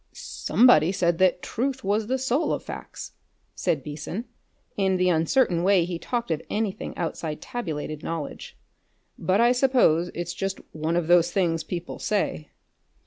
"Somebody said that truth was the soul of facts," said Beason, in the uncertain way he talked of anything outside tabulated knowledge. "But I suppose that's just one of those things people say."